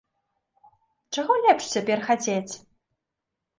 Чаго лепш цяпер хацець?